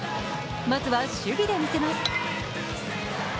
まずは守備でみせます。